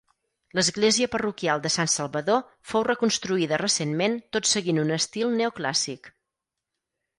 L'església parroquial de Sant Salvador fou reconstruïda recentment tot seguint un estil neoclàssic.